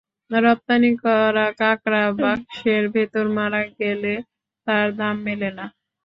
রপ্তানি করা কাঁকড়া বাক্সের ভেতর মারা গেলে তার দাম মেলে না।